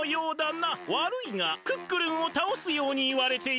わるいがクックルンをたおすようにいわれている。